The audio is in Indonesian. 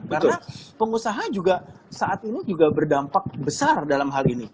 karena pengusaha juga saat ini juga berdampak besar dalam hal ini